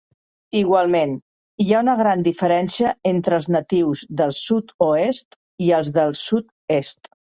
Igualment, hi ha una gran diferència entre els natius del sud-oest i els del sud-est.